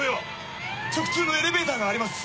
直通のエレベーターがあります。